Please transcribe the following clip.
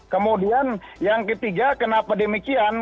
kemudian yang ketiga kenapa demikian